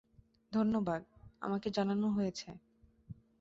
ধন্যবাদ, আমাকে জানানো হয়েছে।